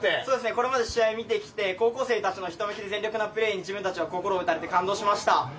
これまで試合を見てきて高校生たちのひたむきな全力プレーに自分たちは心を打たれて感動しました。